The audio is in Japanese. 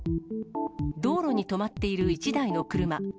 道路に止まっている１台の車。